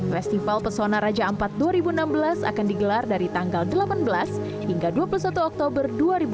festival pesona raja ampat dua ribu enam belas akan digelar dari tanggal delapan belas hingga dua puluh satu oktober dua ribu delapan belas